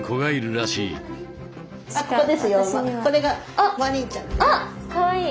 あっかわいい。